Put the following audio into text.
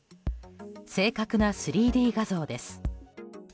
正確な３Ｄ画像です。